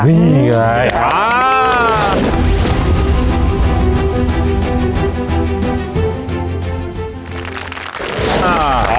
นี่ไงอ่า